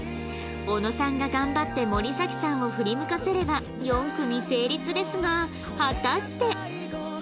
小野さんが頑張って森咲さんを振り向かせれば４組成立ですが果たして